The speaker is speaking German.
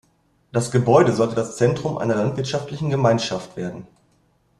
Das Gebäude sollte das Zentrum einer landwirtschaftlichen Gemeinschaft werden.